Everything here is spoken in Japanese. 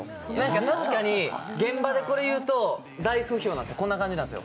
確かに現場でこれ言うと大不評なんでこんな感じなんですよ。